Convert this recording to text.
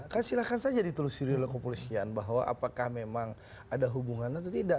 kan silahkan saja ditelusuri oleh kepolisian bahwa apakah memang ada hubungannya atau tidak